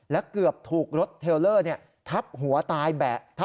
และเกือบถูกรถเทลเลอร์ทับหัวตายแบะ